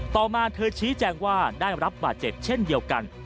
ต่อมาเธอชี้แจงว่าได้รับบาดเจ็บเช่นเดียวกัน